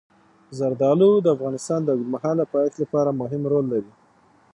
زردالو د افغانستان د اوږدمهاله پایښت لپاره مهم رول لري.